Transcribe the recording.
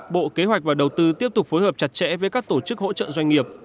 bộ kế hoạch và đầu tư tiếp tục phối hợp chặt chẽ với các tổ chức hỗ trợ doanh nghiệp